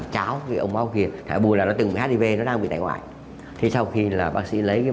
cháu thì ông máu kia hải buu là nó từng hiv nó đang bị tại ngoại thì sau khi là bác sĩ lấy cái